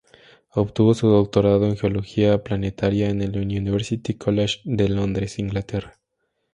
Obtuvo su doctorado en geología planetaria en el University College de Londres, Inglaterra.